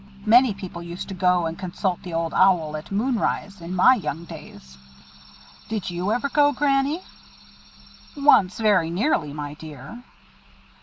Many people used to go and consult the Old Owl at moon rise, in my young days." "Did you ever go, Granny?" "Once, very nearly, my dear."